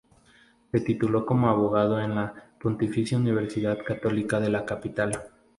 Se tituló como abogado en la Pontificia Universidad Católica de la capital.